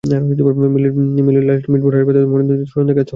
মিলির লাশ মিটফোর্ড হাসপাতালে ময়নাতদন্ত শেষে স্বজনদের কাছে হস্তান্তর করা হয়।